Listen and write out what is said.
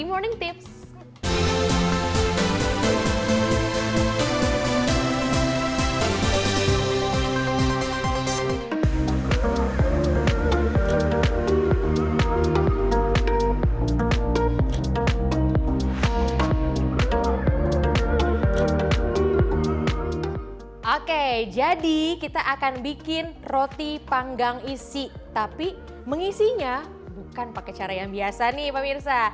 oke jadi kita akan bikin roti panggang isi tapi mengisinya bukan pakai cara yang biasa nih pemirsa